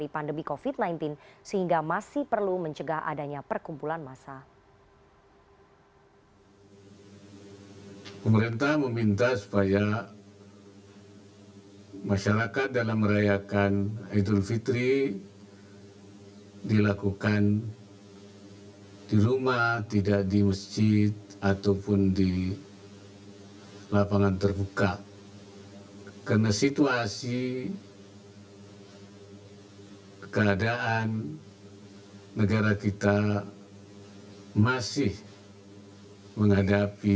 prof tapi kalau kita lihat